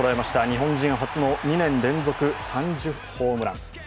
日本人初の２年連続３０ホームラン。